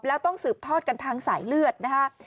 แล้วต้องสืบทอดกันทางสายเลือดนะฮะ